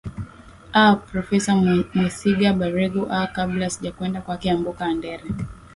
aa profesa mwesiga baregu aa kabla sijakwenda kwake amboka andere